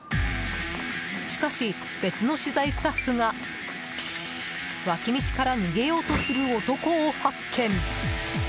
しかし、別の取材スタッフが脇道から逃げようとする男を発見。